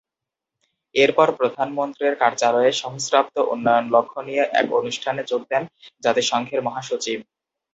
এরপর প্রধানমন্ত্রীর কার্যালয়ে সহস্রাব্দ উন্নয়ন লক্ষ্য নিয়ে এক অনুষ্ঠানে যোগ দেন জাতিসংঘের মহাসচিব।